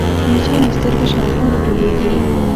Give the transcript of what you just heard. مچان د سترګو شاوخوا راټولېږي